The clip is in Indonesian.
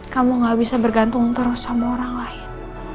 kamu gak bisa bergantung terus sama orang lain